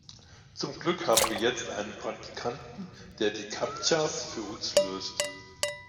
Zum Glück haben wir jetzt einen Praktikanten, der die Captchas für uns löst.